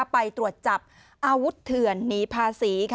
ไปตรวจจับอาวุธเถื่อนหนีภาษี